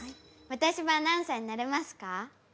私もアナウンサーになれますか？